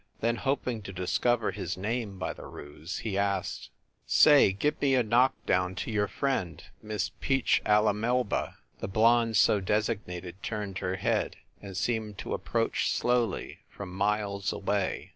Then, hoping to discover his name by the ruse, he added, "Say, give me a knock down to your friend, Miss Peach a /a Melba." The blonde so designated turned her head, and seemed to approach slowly, from miles away.